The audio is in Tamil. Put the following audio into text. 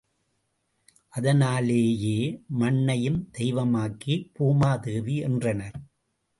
அதனாலேயே மண்ணையும் தெய்வமாக்கி, பூமாதேவி என்றனர்.